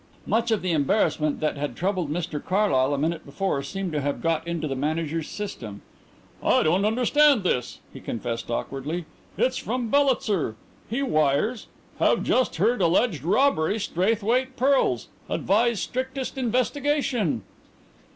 Much of the embarrassment that had troubled Mr Carlyle a minute before seemed to have got into the Manager's system. "I don't understand this," he confessed awkwardly. "It's from Bellitzer. He wires: '_Have just heard alleged robbery Straithwaite pearls. Advise strictest investigation.